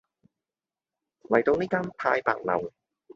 嚟到呢間太白樓